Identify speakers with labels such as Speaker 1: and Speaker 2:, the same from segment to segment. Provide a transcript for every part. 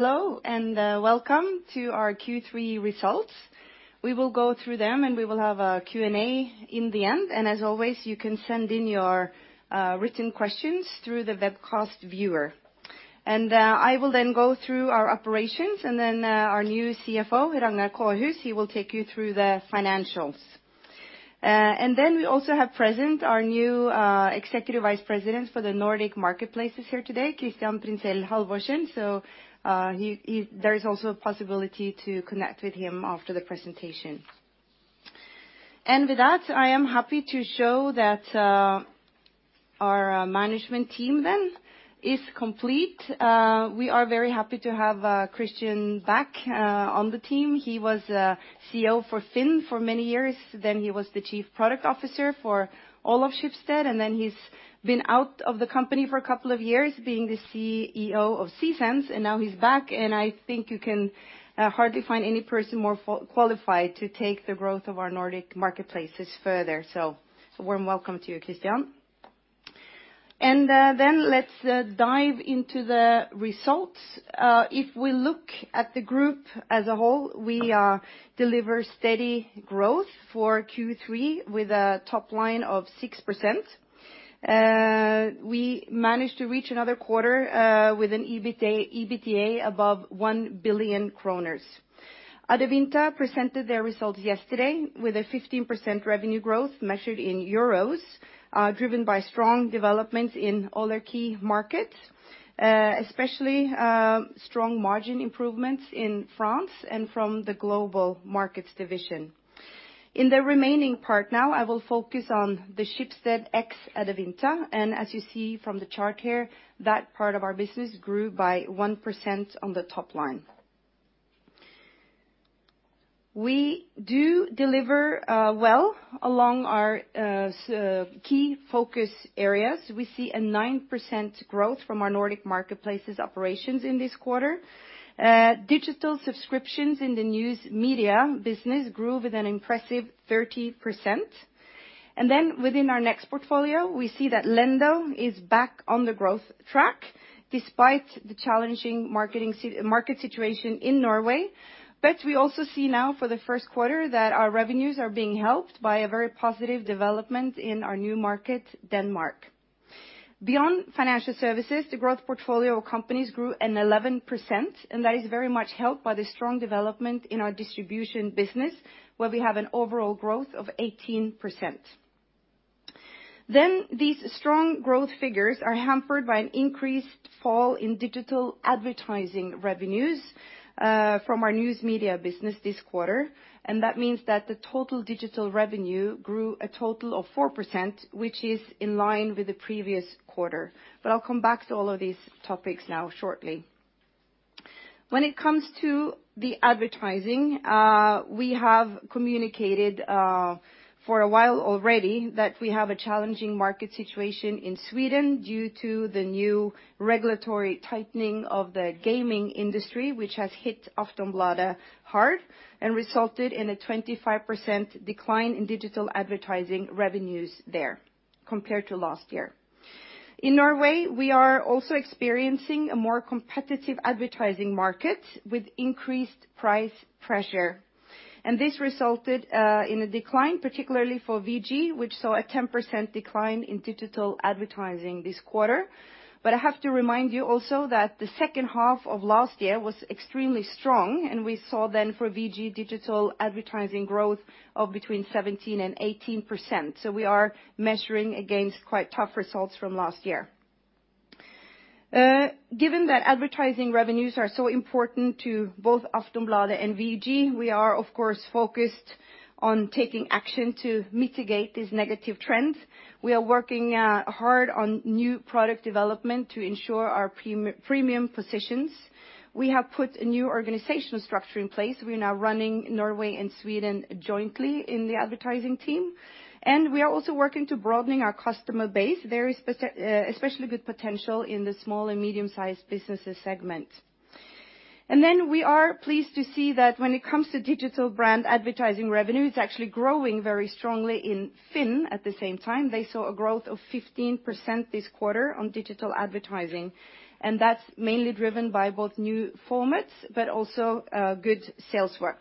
Speaker 1: Hello, welcome to our Q3 results. We will go through them. We will have a Q&A in the end. As always, you can send in your written questions through the webcast viewer. I will then go through our operations. Our new CFO, Ragnar Kårhus, he will take you through the financials. We also have present our new Executive Vice President for the Nordic Marketplaces here today, Christian Printzell Halvorsen. There is also a possibility to connect with him after the presentation. With that, I am happy to show that our management team then is complete. We are very happy to have Christian back on the team. He was CEO for FINN for many years, then he was the chief product officer for all of Schibsted, and then he's been out of the company for a couple of years being the CEO of Cxense, and now he's back. I think you can hardly find any person more qualified to take the growth of our Nordic Marketplaces further. Warm welcome to you, Christian. Let's dive into the results. If we look at the group as a whole, we delivered steady growth for Q3 with a top line of 6%. We managed to reach another quarter with an EBITDA above 1 billion kroner. Adevinta presented their results yesterday with a 15% revenue growth measured in EUR, driven by strong developments in all their key markets, especially strong margin improvements in France and from the global markets division. In the remaining part now, I will focus on the Schibsted Ex Adevinta. As you see from the chart here, that part of our business grew by 1% on the top line. We do deliver well along our key focus areas. We see a 9% growth from our Nordic Marketplaces operations in this quarter. Digital subscriptions in the News Media business grew with an impressive 30%. Then within our Next portfolio, we see that Lendo is back on the growth track despite the challenging market situation in Norway. We also see now for the first quarter that our revenues are being helped by a very positive development in our new market, Denmark. Beyond Financial Services, the growth portfolio of companies grew an 11%, and that is very much helped by the strong development in our distribution business, where we have an overall growth of 18%. These strong growth figures are hampered by an increased fall in digital advertising revenues from our News Media business this quarter. That means that the total digital revenue grew a total of 4%, which is in line with the previous quarter. I'll come back to all of these topics now shortly. When it comes to the advertising, we have communicated for a while already that we have a challenging market situation in Sweden due to the new regulatory tightening of the gaming industry, which has hit Aftonbladet hard and resulted in a 25% decline in digital advertising revenues there compared to last year. In Norway, we are also experiencing a more competitive advertising market with increased price pressure. This resulted in a decline, particularly for VG, which saw a 10% decline in digital advertising this quarter. I have to remind you also that the second half of last year was extremely strong, and we saw then for VG digital advertising growth of between 17% and 18%. We are measuring against quite tough results from last year. Given that advertising revenues are so important to both Aftonbladet and VG, we are of course focused on taking action to mitigate these negative trends. We are working hard on new product development to ensure our premium positions. We have put a new organizational structure in place. We are now running Norway and Sweden jointly in the advertising team, and we are also working to broadening our customer base. Very, especially, good, potential in the small and medium-sized businesses segment. Then we are pleased to see that when it comes to digital brand advertising revenue, it's actually growing very strongly in FINN at the same time. They saw a growth of 15% this quarter on digital advertising, and that's mainly driven by both new formats but also good sales work.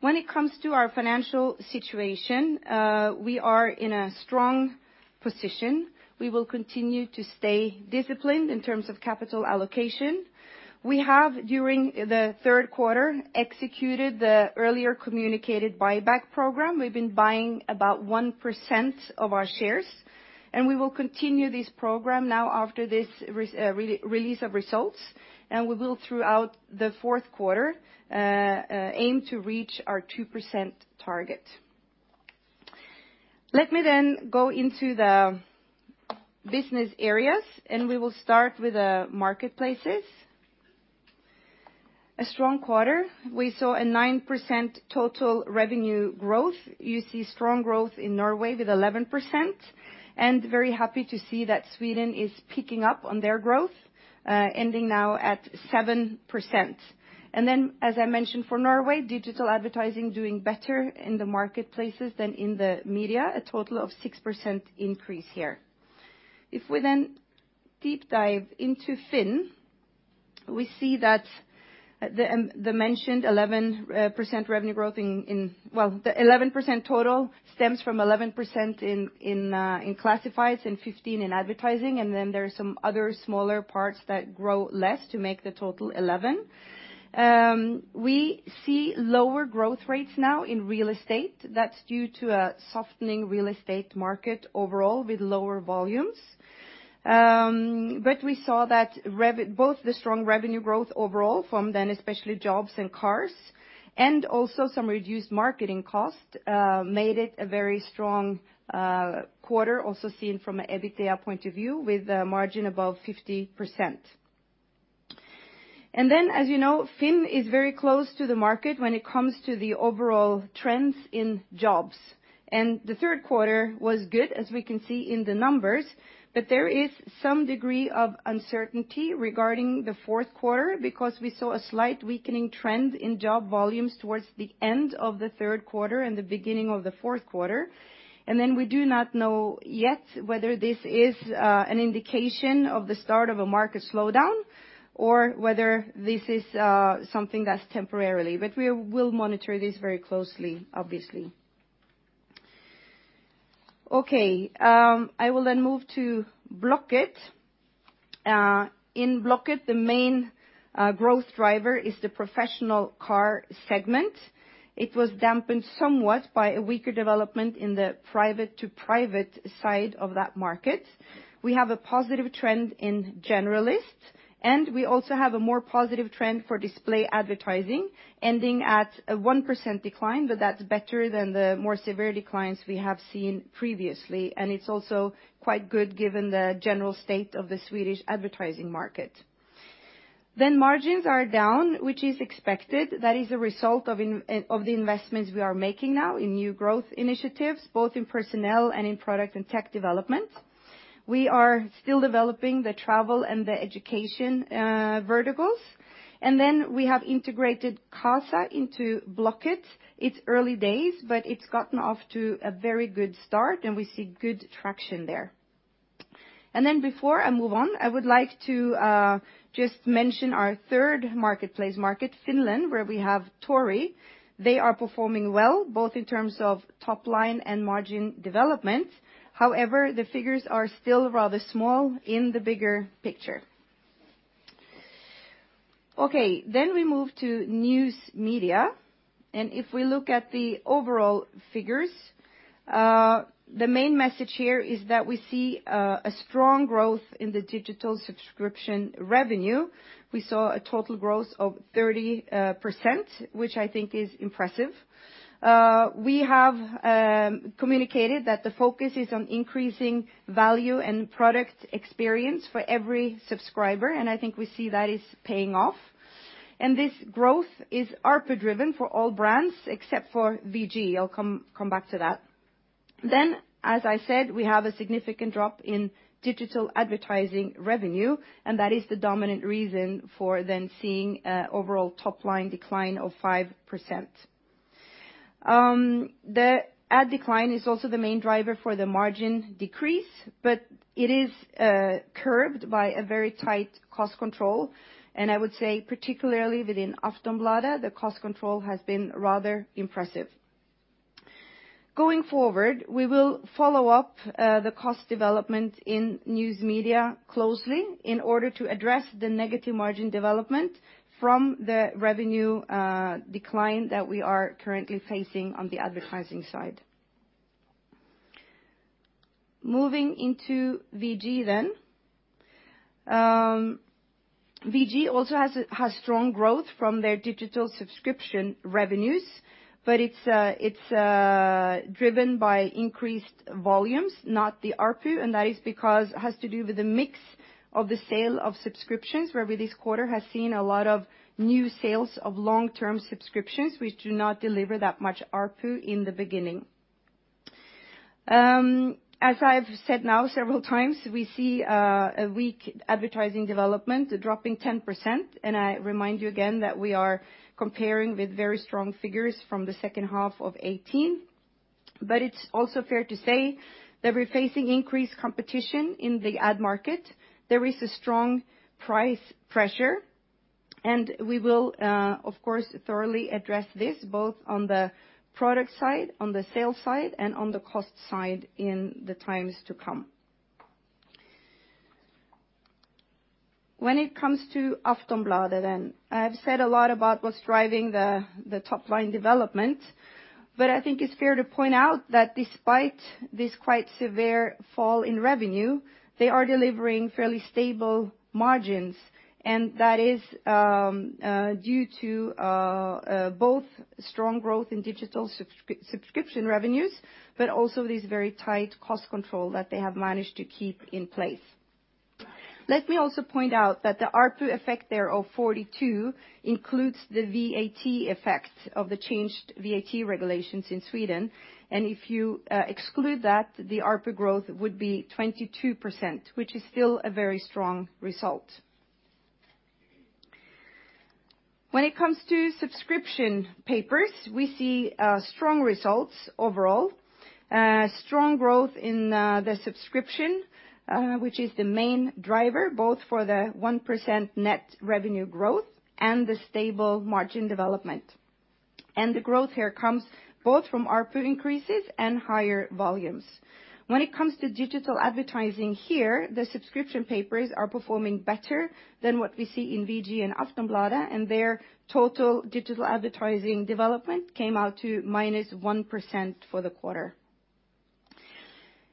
Speaker 1: When it comes to our financial situation, we are in a strong position. We will continue to stay disciplined in terms of capital allocation. We have, during the third quarter, executed the earlier communicated buyback program. We've been buying about 1% of our shares, and we will continue this program now after this release of results, and we will, throughout the fourth quarter, aim to reach our 2% target. Let me go into the business areas, and we will start with the marketplaces. A strong quarter, we saw a 9% total revenue growth. You see strong growth in Norway with 11%, and very happy to see that Sweden is picking up on their growth, ending now at 7%. As I mentioned, for Norway, digital advertising doing better in the marketplaces than in the media, a total of 6% increase here. If we deep dive into FINN. We see that the mentioned 11% revenue growth in. Well, the 11% total stems from 11% in classifieds and 15% in advertising, and then there's some other smaller parts that grow less to make the total 11%. We see lower growth rates now in real estate. That's due to a softening real estate market overall with lower volumes. We saw that both the strong revenue growth overall from then especially jobs and cars, and also some reduced marketing costs made it a very strong quarter also seen from an EBITDA point of view with a margin above 50%. As you know, FINN is very close to the market when it comes to the overall trends in jobs. The third quarter was good, as we can see in the numbers, but there is some degree of uncertainty regarding the fourth quarter because we saw a slight weakening trend in job volumes towards the end of the third quarter and the beginning of the fourth quarter. We do not know yet whether this is an indication of the start of a market slowdown or whether this is something that's temporarily. We will monitor this very closely, obviously. Okay, I will then move to Blocket. In Blocket, the main growth driver is the professional car segment. It was dampened somewhat by a weaker development in the private-to-private side of that market. We have a positive trend in generalists. We also have a more positive trend for display advertising ending at a 1% decline. That's better than the more severe declines we have seen previously. It's also quite good given the general state of the Swedish advertising market. Margins are down, which is expected. That is a result of the investments we are making now in new growth initiatives, both in personnel and in product and tech development. We are still developing the travel and the education verticals. We have integrated Qasa into Blocket. It's early days. It's gotten off to a very good start. We see good traction there. Before I move on, I would like to just mention our third marketplace market, Finland, where we have Tori. They are performing well, both in terms of top line and margin development. However, the figures are still rather small in the bigger picture. We move to News Media, if we look at the overall figures, the main message here is that we see a strong growth in the digital subscription revenue. We saw a total growth of 30%, which I think is impressive. We have communicated that the focus is on increasing value and product experience for every subscriber, I think we see that is paying off. This growth is ARPU-driven for all brands except for VG. I'll come back to that. As I said, we have a significant drop in digital advertising revenue, that is the dominant reason for seeing a overall top-line decline of 5%. The ad decline is also the main driver for the margin decrease. It is curbed by a very tight cost control. I would say particularly within Aftonbladet, the cost control has been rather impressive. Going forward, we will follow up the cost development in News Media closely in order to address the negative margin development from the revenue decline that we are currently facing on the advertising side. Moving into VG. VG also has strong growth from their digital subscription revenues. It's driven by increased volumes, not the ARPU. That is because it has to do with the mix of the sale of subscriptions, where this quarter has seen a lot of new sales of long-term subscriptions which do not deliver that much ARPU in the beginning. As I've said now several times, we see a weak advertising development dropping 10%, and I remind you again that we are comparing with very strong figures from the second half of 2018. It's also fair to say that we're facing increased competition in the ad market. There is a strong price pressure, and we will, of course, thoroughly address this both on the product side, on the sales side, and on the cost side in the times to come. When it comes to Aftonbladet, I've said a lot about what's driving the top-line development, but I think it's fair to point out that despite this quite severe fall in revenue, they are delivering fairly stable margins, and that is due to both strong growth in digital subscription revenues, but also this very tight cost control that they have managed to keep in place. Let me also point out that the ARPU effect there of 42 includes the VAT effect of the changed VAT regulations in Sweden. If you exclude that, the ARPU growth would be 22%, which is still a very strong result. When it comes to subscription papers, we see strong results overall. Strong growth in the subscription, which is the main driver, both for the 1% net revenue growth and the stable margin development. The growth here comes both from ARPU increases and higher volumes. When it comes to digital advertising here, the subscription papers are performing better than what we see in VG and Aftonbladet. Their total digital advertising development came out to minus 1% for the quarter.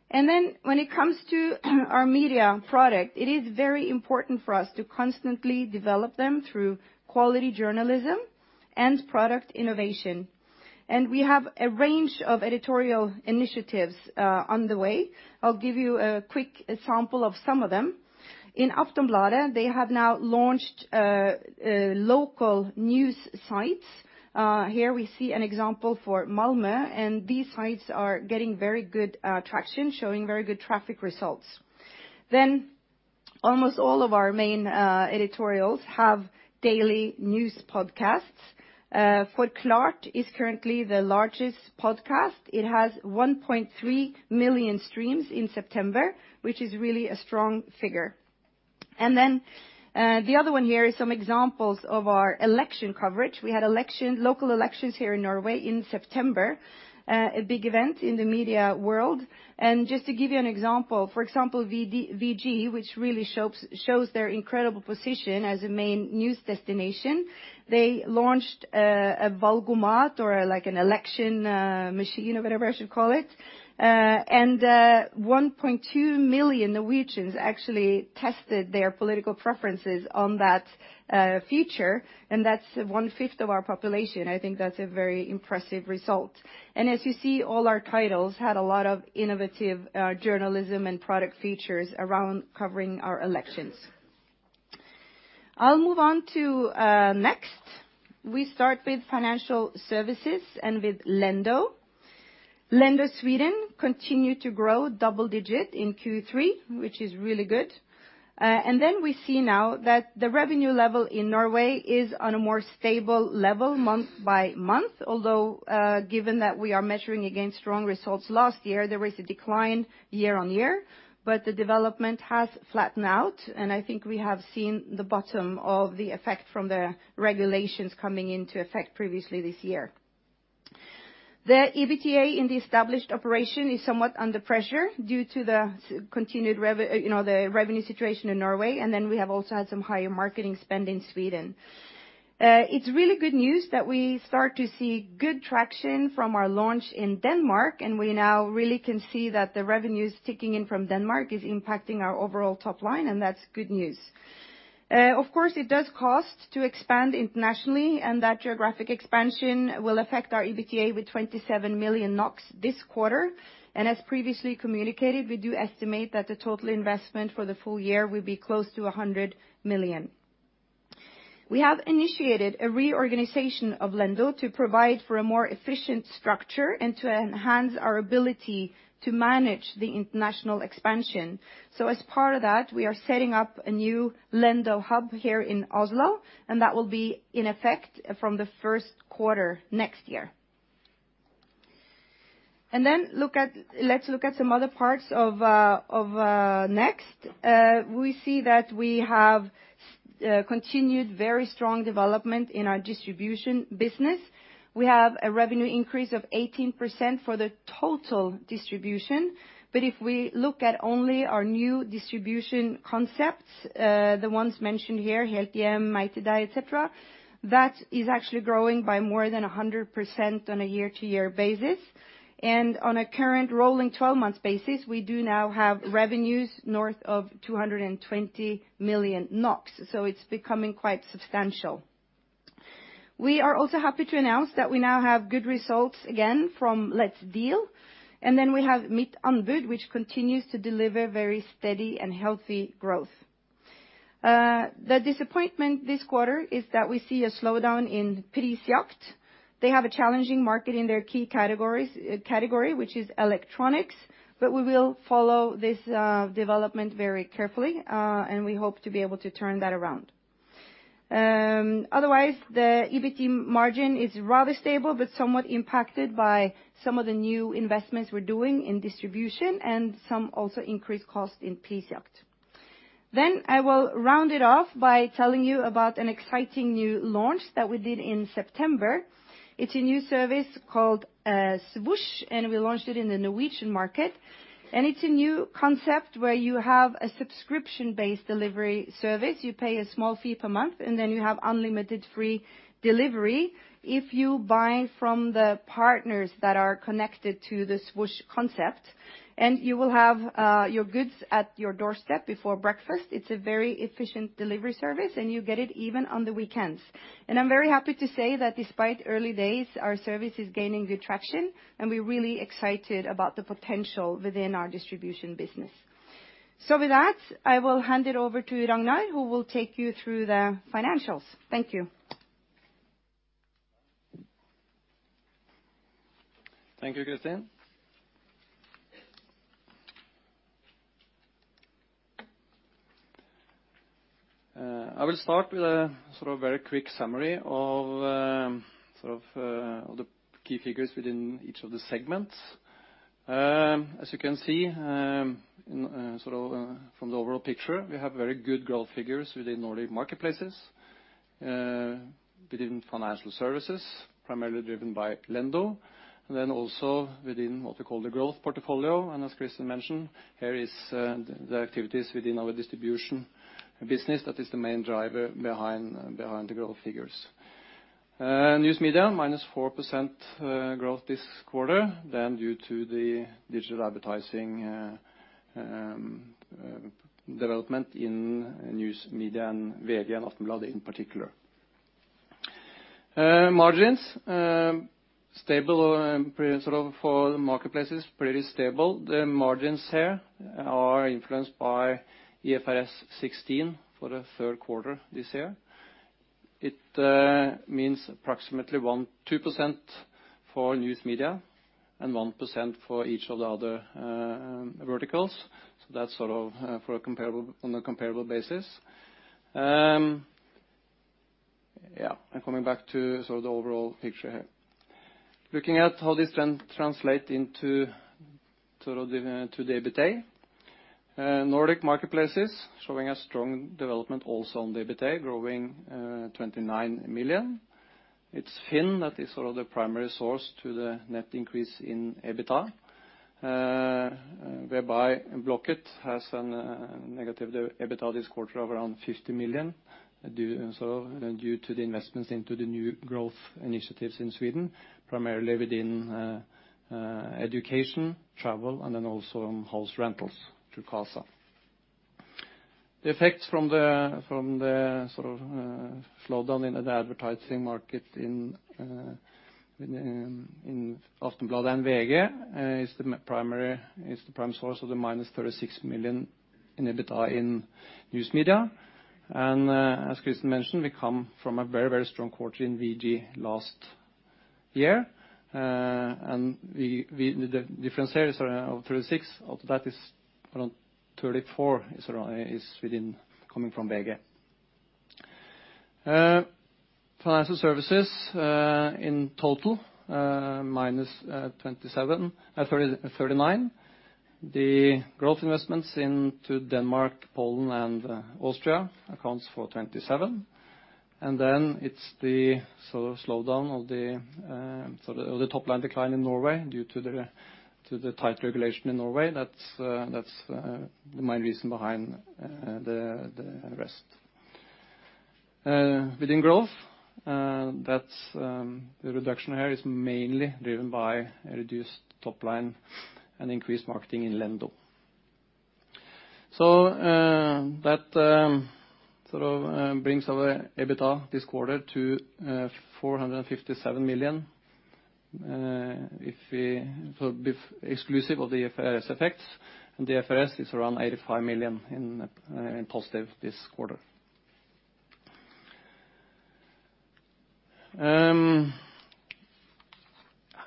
Speaker 1: When it comes to our media product, it is very important for us to constantly develop them through quality journalism and product innovation. We have a range of editorial initiatives on the way. I'll give you a quick example of some of them. In Aftonbladet, they have now launched local news sites. Here we see an example for Malmö. These sites are getting very good traction, showing very good traffic results. Almost all of our main editorials have daily news podcasts. Klart is currently the largest podcast. It has 1.3 million streams in September, which is really a strong figure. The other one here is some examples of our election coverage. We had local elections here in Norway in September, a big event in the media world. Just to give you an example, for example, VG, which really shows their incredible position as a main news destination, they launched a Valgomat or, like an election machine, or whatever I should call it. 1.2 million Norwegians actually tested their political preferences on that feature, and that's one-fifth of our population. I think that's a very impressive result. As you see, all our titles had a lot of innovative journalism and product features around covering our elections. I'll move on to Next. We start with Financial Services and with Lendo. Lendo Sweden continued to grow double digit in Q3, which is really good. Then we see now that the revenue level in Norway is on a more stable level month-by-month, although, given that we are measuring against strong results last year, there is a decline year-on-year, but the development has flattened out and I think we have seen the bottom-off, the effect from the regulations coming into effect previously this year. The EBITDA in the established operation is somewhat under pressure due to the continued, you know, the revenue situation in Norway. Then we have also had some higher marketing spend in Sweden. It's really good news that we start to see good traction from our launch in Denmark. We now really can see that the revenues ticking in from Denmark is impacting our overall top line. That's good news. Of course, it does cost to expand internationally, and that geographic expansion will affect our EBITDA with 27 million NOK this quarter. As previously communicated, we do estimate that the total investment for the full year will be close to 100 million. We have initiated a reorganization of Lendo to provide for a more efficient structure and to enhance our ability to manage the international expansion. As part of that, we are setting up a new Lendo hub here in Oslo, and that will be in effect from the first quarter next year. Then, look at, let's look at some other parts of Next. We see that we have continued very strong development in our distribution business. We have a revenue increase of 18% for the total distribution, but if we look at only our new distribution concepts, the ones mentioned here, Helthjem, Megtildeg, et cetera, that is actually growing by more than 100% on a year-to-year basis. On a current rolling 12-month basis, we do now have revenues north of 220 million NOK, so it's becoming quite substantial. We are also happy to announce that we now have good results again from Let's Deal, and then we have Mittanbud, which continues to deliver very steady and healthy growth. The disappointment this quarter is that we see a slowdown in Prisjakt. They have a challenging market in their key category, which is electronics. We will follow this development very carefully, and we hope to be able to turn that around. Otherwise, the EBITDA margin is rather stable but somewhat impacted by some of the new investments we're doing in distribution and some also increased costs in Prisjakt. I will round it off by telling you about an exciting new launch that we did in September. It's a new service called Svosj, and we launched it in the Norwegian market. It's a new concept where you have a subscription-based delivery service. You pay a small fee per month, and then you have unlimited free delivery if you buy from the partners that are connected to the Svosj concept. You will have your goods at your doorstep before breakfast. It's a very efficient delivery service. You get it even on the weekends. I'm very happy to say that despite early days, our service is gaining good traction, and we're really excited about the potential within our distribution business. With that, I will hand it over to Ragnar, who will take you through the financials. Thank you.
Speaker 2: Thank you, Kristin.I will start with a sort of very quick summary of sort of the key figures within each of the segments. As you can see, in sort of from the overall picture, we have very good growth figures within Nordic Marketplaces, within Financial Services, primarily driven by Lendo, then also within what we call the growth portfolio. As Kristin mentioned, here is the activities within our distribution business that is the main driver behind the growth figures. News Media, -4% growth this quarter than due to the digital advertising development in News Media and VG and Aftonbladet in particular. Margins, stable or pretty, sort of for the marketplaces, pretty stable. The margins here are influenced by IFRS 16 for the third quarter this year. It means approximately 2% for News Media and 1% for each of the other verticals. That's sort of broken down on a comparable basis. Yeah, coming back to sort of the overall picture here. Looking at how this translate into sort of to the EBITDA. Nordic Marketplaces showing a strong development also on the EBITDA, growing, 29 million. It's FINN, that is sort of the primary source to the net increase in EBITDA. whereby Blocket has a negative EBITDA this quarter of around 50 million due to the investments into the new growth initiatives in Sweden, primarily within education, travel, and then also house rentals through Qasa. The effects from the sort of slowdown in the advertising market in Aftonbladet and VG, is, the prime source of the -36 million in EBITDA in News Media. As Kristin mentioned, comes from a very, very strong quarter in VG last year, difference here is around of 36 million of that is around 34 million is, within, coming from VG. Financial Services, in total, -39 million. The growth investments into Denmark, Poland, and Austria accounts for 27 million. Then it's the sort of slowdown of the sort of the top line decline in Norway due to the tight regulation in Norway. That's the main reason behind the rest. Within growth, that's the reduction here is mainly driven by a reduced top line and increased marketing in Lendo. That brings our EBITDA this quarter to 457 million. If we be exclusive of the IFRS effects, and the IFRS is around 85 million, in positive, this quarter.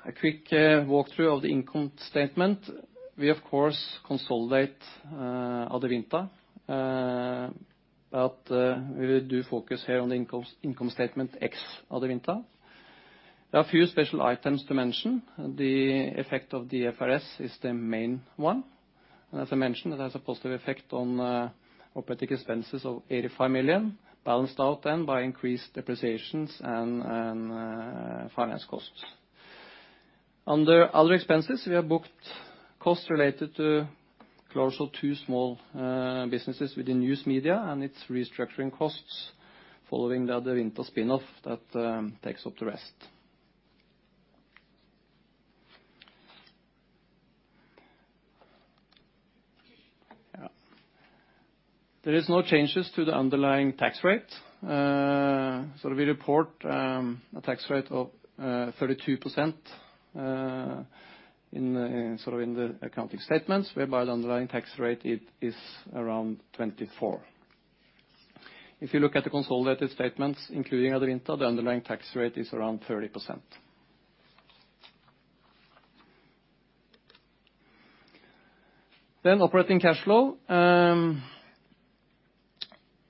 Speaker 2: A quick walk through of the income statement. We, of course, consolidate Adevinta, we do focus here on the income statement Ex Adevinta. There are a few special items to mention. The effect of the IFRS is the main one. As I mentioned, it has a positive effect on operating expenses of 85 million, balanced out then by increased depreciations and finance costs. Under other expenses, we have booked costs related to closure of two small businesses within News Media and its restructuring costs following the Adevinta spin-off that takes up the rest. Yeah. There is no changes to the underlying tax rate. We report a tax rate of 32% in sort of in the accounting statements, whereby the underlying tax rate, it, is around 24%. If you look at the consolidated statements, including Adevinta, the underlying tax rate is around 30%. Operating cash flow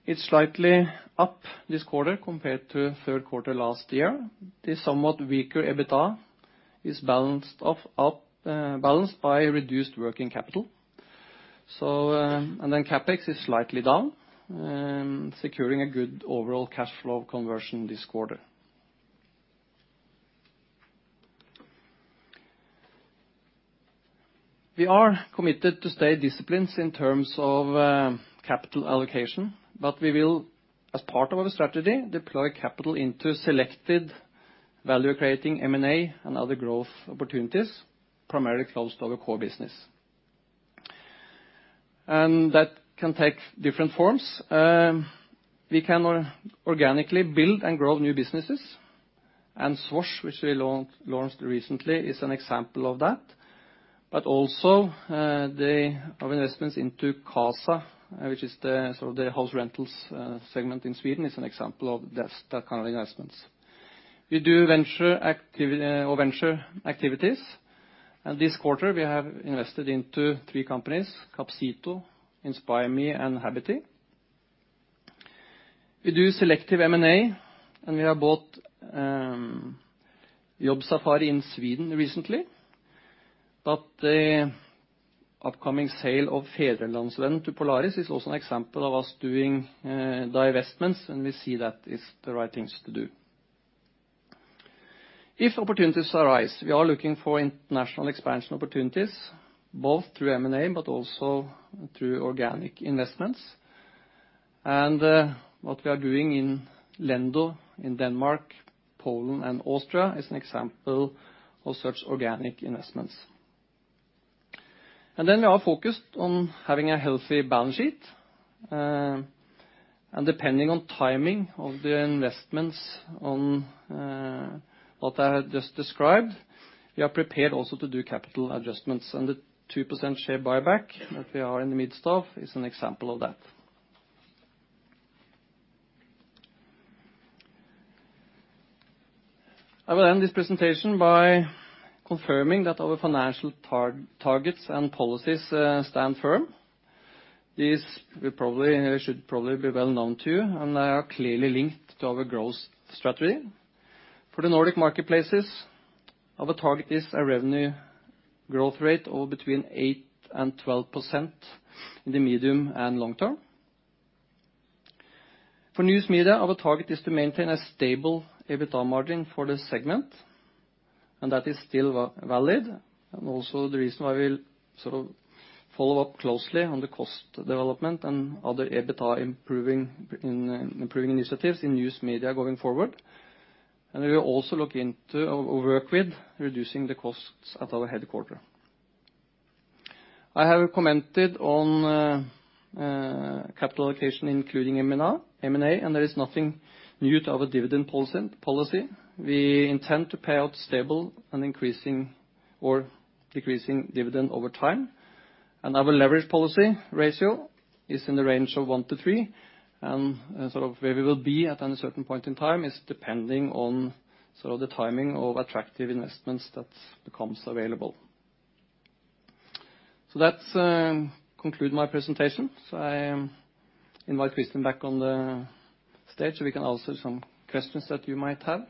Speaker 2: is slightly up this quarter compared to third quarter last year. The somewhat weaker EBITDA is balanced off up, balanced by reduced working capital. CapEx is slightly down, securing a good overall cash flow conversion this quarter. We are committed to stay disciplined in terms of capital allocation, we will, as part of our strategy, deploy capital into selected value-creating M&A and other growth opportunities, primarily close to our core business. That can take different forms. We can organically build and grow new businesses. Svosj, which we launched recently, is an example of that. Also, the our investments into Qasa, which is the sort of the house rentals segment in Sweden, is an example of that kind of investments. We do venture activities. This quarter, we have invested into three companies, Capcito, Inzpire.me, and Habity. We do selective M&A, and we have bought Jobbsafari in Sweden recently. The upcoming sale of Adevinta an example of divestment, we see is the right thing to do. If put in this way, we are looking for national expansion for growth M&A, both organic, in a sense and what we are doing in Lendo in Denmark, Poland and Austria is an example of such organic, in a sense. And then we are focused on having a healthy balance sheet and the payment timing of the investments of that as described. We are also prepared to do capital adjustments and 2% share buyback mixed stock is an example of that. I will end this presentation by confirming that our financial targets and policies stand firm. These are probably well known to you and they are clearly hitting the target of growth strategy. For the Nordic Marketplaces our target is a revenue growth rate of between 8% and 12% in the medium and long term. For News Media, our target is to maintian a stable EBITDA margin for the segment that is still valid. Also follow-up closely on the cost, development and other EBITDA improving the status of News Media going forward. We will also look into or work with reducing the costs at our headquarters. I have commented on capital allocation, including M&A. There is nothing new to our dividend policy. We intend to pay out stable and increasing or decreasing dividend over time. Our leverage policy ratio is in the range of 1-3, and sort of where we will be at any certain point in time is depending on sort of the timing of attractive investments that becomes available. That's conclude my presentation. I invite Kristin back on the stage so we can answer some questions that you might have.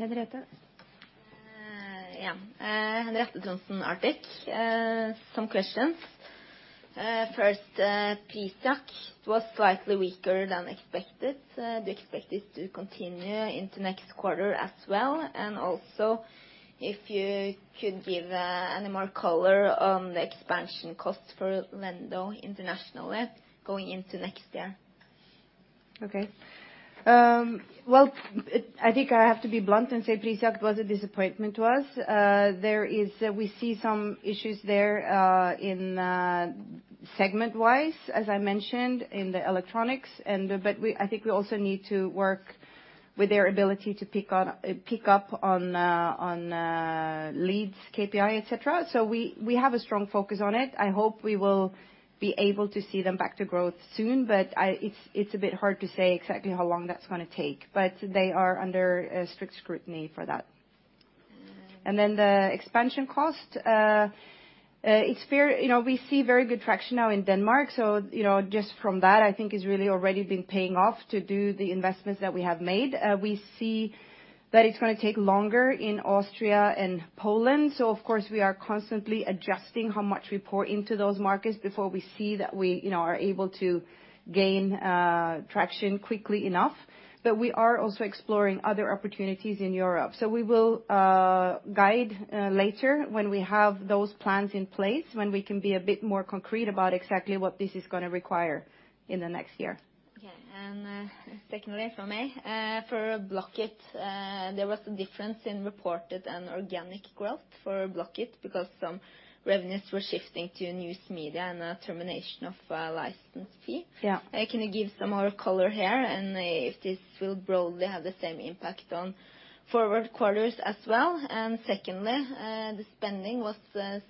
Speaker 1: Henriette?
Speaker 3: Yeah. Henriette Trondsen, Arctic. Some questions. First, Prisjakt was slightly weaker than expected. Do you expect it to continue into next quarter as well? Also if you could give any more color on the expansion cost for Lendo internationally going into next year?
Speaker 1: I think I have to be blunt and say Prisjakt was a disappointment to us. There is, we see some issues there in segment-wise, as I mentioned, in the electronics. We, I think we also need to work with their ability to pick on, pick up on leads, KPI, et cetera. We have a strong focus on it. I hope we will be able to see them back to growth soon. I, it's a bit hard to say exactly how long that's gonna take. They are under a strict scrutiny for that. The expansion cost, it's fair. You know, we see very good traction now in Denmark. You know, just from that, I think is really already been paying off to do the investments that we have made. We see that it's gonna take longer in Austria and Poland. Of course, we are constantly adjusting how much we pour into those markets before we see that we, you know, are able to gain traction quickly enough. We are also exploring other opportunities in Europe. We will guide later when we have those plans in place, when we can be a bit more concrete about exactly what this is gonna require in the next year.
Speaker 3: Okay. Secondly from me, for Blocket, there was a difference in reported and organic growth for Blocket because some revenues were shifting to News Media and a termination of a license fee.
Speaker 1: Yeah.
Speaker 3: Can you give some more color here, and if this will broadly have the same impact on forward quarters as well? Secondly, the spending was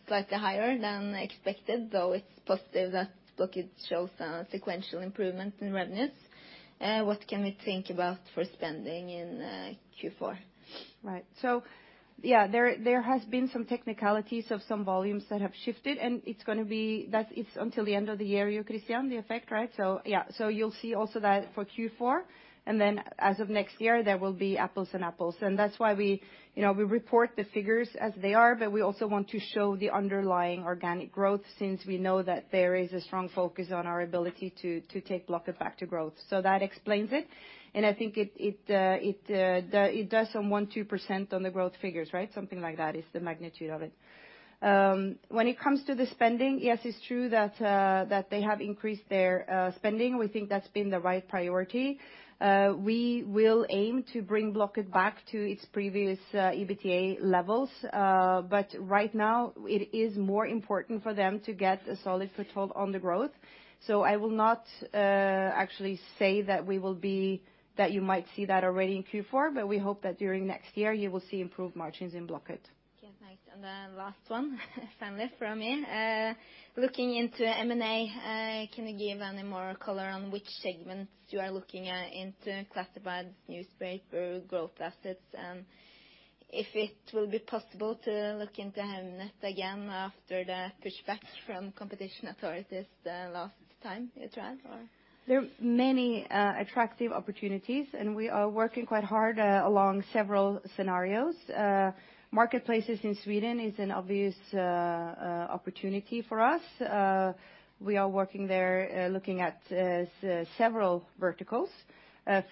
Speaker 3: slightly higher than expected, though it's positive that Blocket shows sequential improvement in revenues. What can we think about for spending in Q4?
Speaker 1: Right. Yeah, there has been some technicalities of some volumes that have shifted, and it's gonna be, that it's until the end of the year, you, Christian, the effect, right? Yeah. You'll see also that for Q4, and then as of next year there will be apples and apples. That's why we, you know, we report the figures as they are, but we also want to show the underlying organic growth since we know that there is a strong focus on our ability to take Blocket back to growth. That explains it, and I think it does some 1%-2% on the growth figures, right? Something like that is the magnitude of it. When it comes to the spending, yes, it's true that they have increased their spending. We think that's been the right priority. We will aim to bring Blocket back to its previous EBITDA levels. Right now it is more important for them to get a solid foothold on the growth. I will not actually say that we will be, that you might see that already in Q4, but we hope that during next year you will see improved margins in Blocket.
Speaker 3: Last one finally from me. Looking into M&A, can you give any more color on which segments you are looking at into Classified Newspaper growth assets? If it will be possible to look into Hemnet again after the pushback from competition authorities the last time you tried, or?
Speaker 1: There are many attractive opportunities. We are working quite hard, along several scenarios. Marketplaces in Sweden is an obvious opportunity for us. We are working there, looking at several verticals.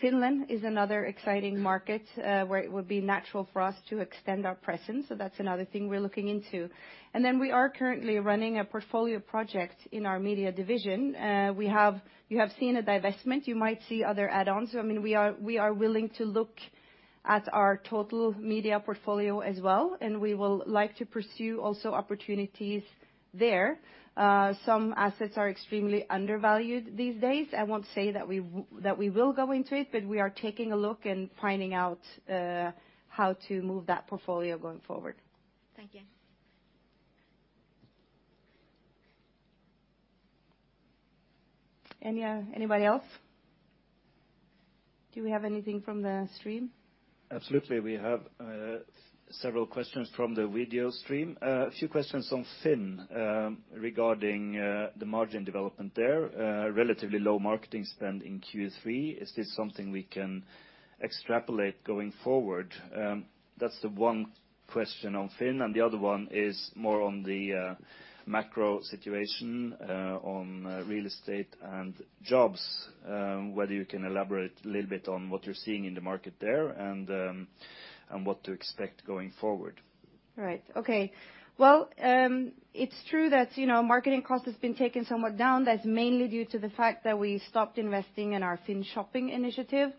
Speaker 1: Finland is another exciting market, where it would be natural for us to extend our presence, so that's another thing we're looking into. We are currently running a portfolio project in our media division. You have seen a divestment, you might see other add-ons. I mean, we are willing to look at our total media portfolio as well, and we will like to pursue also opportunities there. Some assets are extremely undervalued these days. I won't say that we will go into it, but we are taking a look and finding out how to move that portfolio going forward.
Speaker 3: Thank you.
Speaker 1: Anybody else? Do we have anything from the stream?
Speaker 4: Absolutely. We have several questions from the video stream. A few questions on FINN regarding the margin development there. Relatively low marketing spend in Q3. Is this something we can extrapolate going forward? That's the one question on FINN, and the other one is more on the macro situation on real estate and jobs, whether you can elaborate a little bit on what you're seeing in the market there and what to expect going forward.
Speaker 1: Right. Okay. Well, it's true that, you know, marketing cost has been taken somewhat down. That's mainly due to the fact that we stopped investing in our FINN shopping initiative.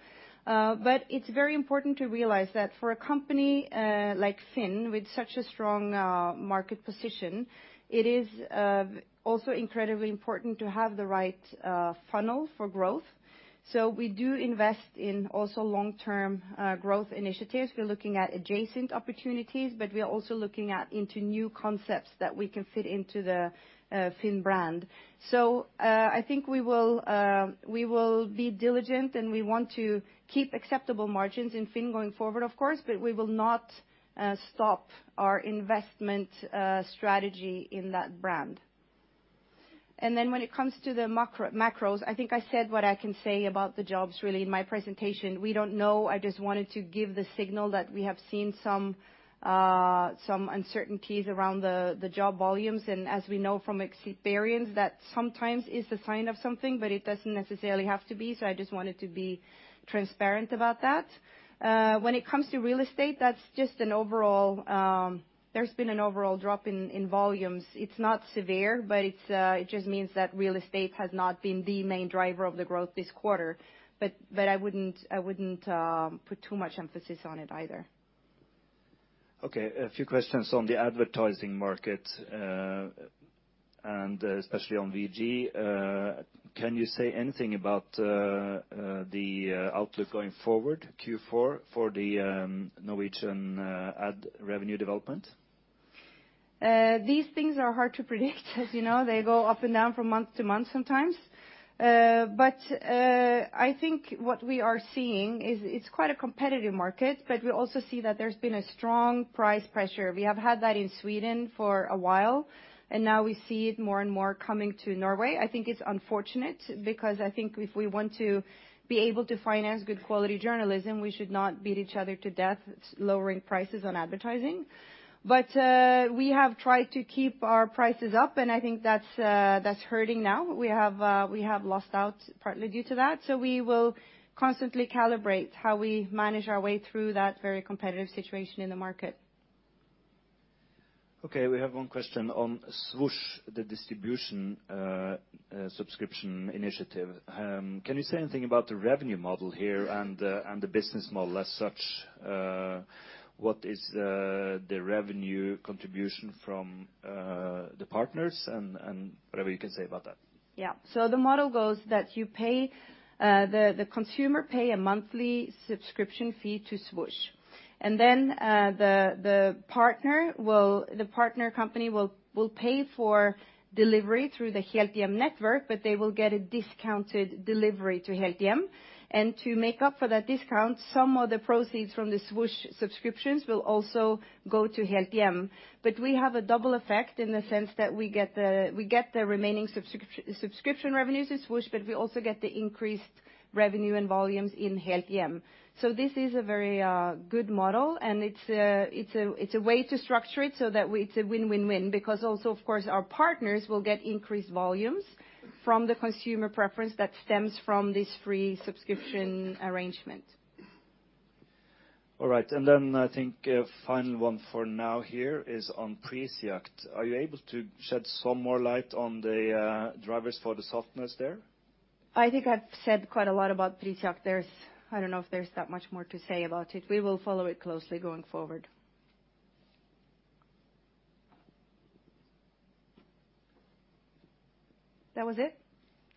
Speaker 1: It's very important to realize that for a company, like FINN, with such a strong market position, it is also incredibly important to have the right funnel for growth. We do invest in also long-term, growth initiatives. We're looking at adjacent opportunities, but we are also looking at into new concepts that we can fit into the FINN brand. I think we will, we will be diligent, and we want to keep acceptable margins in FINN going forward, of course, but we will not stop our investment, strategy in that brand. When it comes to the macro, macros, I think I said what I can say about the jobs really in my presentation. We don't know. I just wanted to give the signal that we have seen some uncertainties around the job volumes. As we know from experience, that sometimes it is a sign of something, but it doesn't necessarily have to be, so I just wanted to be transparent about that. When it comes to real estate, that's just an overall. There's been an overall drop in volumes. It's not severe, but it just means that real estate has not been the main driver of the growth this quarter. I wouldn't, I wouldn't put too much emphasis on it either.
Speaker 5: Okay. A few questions on the advertising market, especially on VG. Can you say anything about the output going forward, Q4, for the Norwegian ad revenue development?
Speaker 1: These things are hard to predict. As you know, they go up and down from month to month sometimes. I think what we are seeing is it's quite a competitive market, but we also see that there's been a strong price pressure. We have had that in Sweden for a while, and now we see it more and more coming to Norway. I think it's unfortunate because I think if we want to be able to finance good quality journalism, we should not beat each other to death lowering prices on advertising. We have tried to keep our prices up, and I think that's hurting now. We have lost out partly due to that. We will constantly calibrate how we manage our way through that very competitive situation in the market.
Speaker 5: Okay. We have one question on Svosj, the distribution, subscription initiative. Can you say anything about the revenue model here and the business model as such? What is the revenue contribution from the partners and whatever you can say about that?
Speaker 1: Yeah. The model goes that you pay, the consumer pay a monthly subscription fee to Svosj, then the partner company will pay for delivery through the Helthjem network, they will get a discounted delivery to Helthjem. To make up for that discount, some of the proceeds from the Svosj subscriptions will also go to Helthjem. We have a double effect in the sense that we get the remaining subscription revenues with Svosj, we also get the increased revenue and volumes in Helthjem. This is a very good model, and it's a way to structure it so that it's a win-win-win, because also, of course, our partners will get increased volumes from the consumer preference that stems from this free subscription arrangement.
Speaker 5: All right. I think a final one for now here is on Prisjakt. Are you able to shed some more light on the drivers for the softness there?
Speaker 1: I think I've said quite a lot about Prisjakt. There's I don't know if there's that much more to say about it. We will follow it closely going forward. That was it?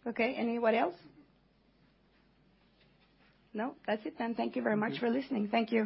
Speaker 1: Okay. Anybody else? No? That's it then. Thank you very much for listening. Thank you.